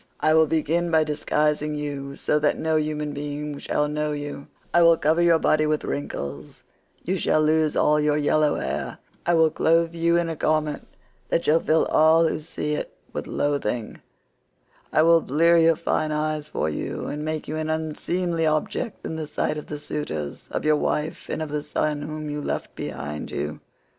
I will begin by disguising you so that no human being shall know you; I will cover your body with wrinkles; you shall lose all your yellow hair; I will clothe you in a garment that shall fill all who see it with loathing; I will blear your fine eyes for you, and make you an unseemly object in the sight of the suitors, of your wife, and of the son whom you left behind you.